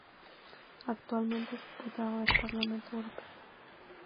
Actualmente es Diputado del Parlamento Europeo.